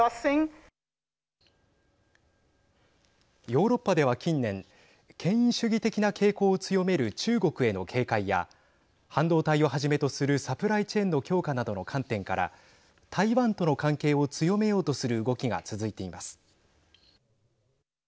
ヨーロッパでは、近年権威主義的な傾向を強める中国への警戒や半導体をはじめとするサプライチェーンの強化などの観点から台湾との関係を強めようとする動きが続いています。